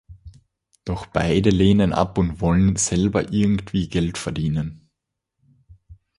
Doch beide lehnen ab und wollen selber irgendwie Geld verdienen.